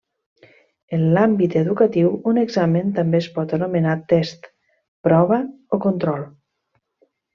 En l'àmbit educatiu un examen també es pot anomenar test, prova o control.